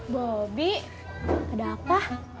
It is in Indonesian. bobi ada apa